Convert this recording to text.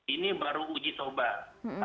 ini baru uji sobat